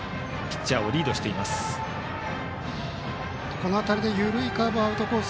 この辺りで緩いカーブがアウトコース